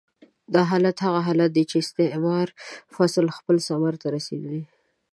دا حالت هغه حالت دی چې استعماري فصل خپل ثمر ته رسېدلی.